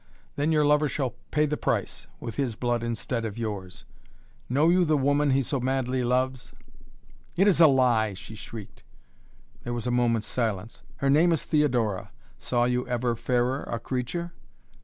"Then your lover shall pay the price with his blood instead of yours. Know you the woman he so madly loves?" "It is a lie!" she shrieked. There was a moment's silence. "Her name is Theodora. Saw you ever fairer creature?"